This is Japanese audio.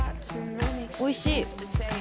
おいしい。